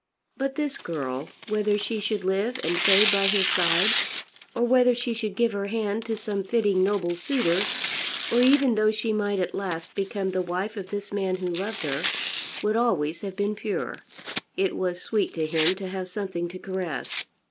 But this girl, whether she should live and fade by his side, or whether she should give her hand to some fitting noble suitor, or even though she might at last become the wife of this man who loved her, would always have been pure. It was sweet to him to have something to caress.